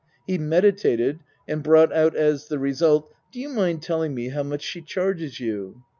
He meditated, and brought out as the result : "Do you mind telling me how much she charges you